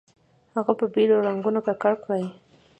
هغه په بېلو رنګونو ککړ کړئ.